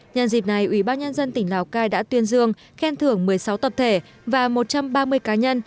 nhân dịp này ubnd tỉnh lào cai đã tuyên dương khen thưởng một mươi sáu tập thể và một trăm ba mươi cá nhân